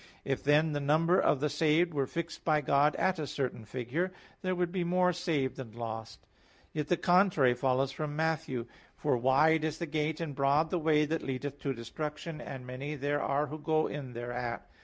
If, then, the number of the saved were fixed by God at a certain figure, there would be more saved than lost. Yet the contrary follows from Matt. 7:13,14: "For wide is the gate, and broad the way that leadeth to destruction, and many there are who go in thereat.